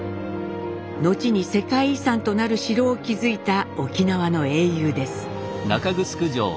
後に世界遺産となる城を築いた沖縄の英雄です。